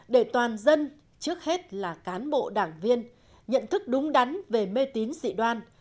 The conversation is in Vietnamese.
để toàn dân trước hết là cán bộ đảng viên nhận thức đúng đắn về mê tín dị đoan